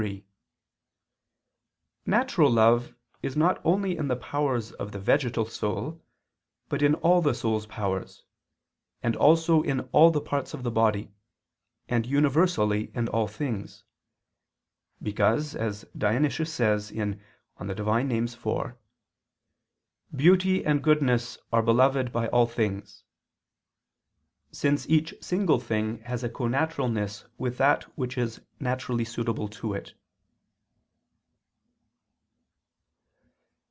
3: Natural love is not only in the powers of the vegetal soul, but in all the soul's powers, and also in all the parts of the body, and universally in all things: because, as Dionysius says (Div. Nom. iv), "Beauty and goodness are beloved by all things"; since each single thing has a connaturalness with that which is naturally suitable to it.